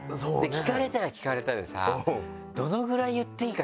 聞かれたら聞かれたでさどのぐらい言っていいかって思わない？